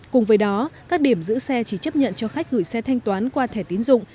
cùng với đó các điểm giữ xe chỉ chấp nhận cho khách gửi xe thanh toán qua thẻ tiến dụng